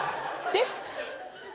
です。